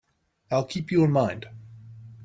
I'll keep you in mind.